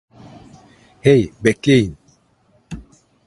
Hey, bekleyin!